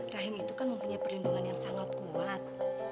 rahim itu kan mempunyai perlindungan yang sangat kuat